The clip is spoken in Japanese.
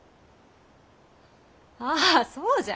ああそうじゃ！